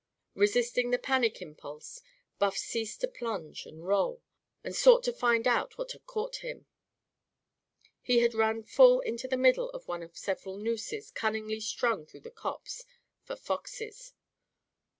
Resisting the panic impulse, Buff ceased to plunge and roll, and sought to find out what had caught him. He had run full into the middle of one of several nooses, cunningly strung through the copse, for foxes.